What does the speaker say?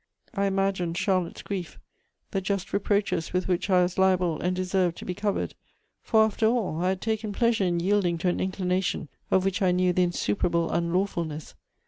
I imagined Charlotte's grief, the just reproaches with which I was liable and deserved to be covered: for, after all, I had taken pleasure in yielding to an inclination of which I knew the insuperable unlawfulness.